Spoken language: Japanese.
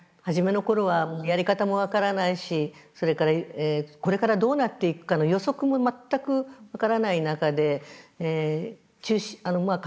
初めの頃はもうやり方も分からないしそれからこれからどうなっていくかの予測も全く分からない中で中止ま